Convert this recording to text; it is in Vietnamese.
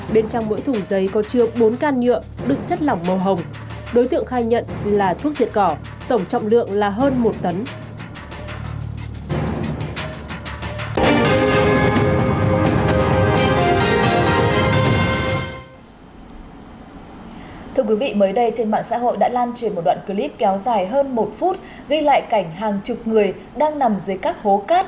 bên ngoài có in chữ nước ngoài bên trong mỗi thùng giấy có trường bốn can nhựa